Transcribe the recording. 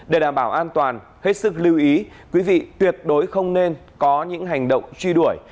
để đảm bảo an toàn hết sức lưu ý quý vị tuyệt đối không nên có những hành động truy đuổi